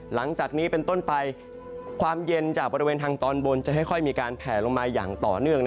หลังจากนี้เป็นต้นไปความเย็นจากบริเวณทางตอนบนจะค่อยมีการแผลลงมาอย่างต่อเนื่อง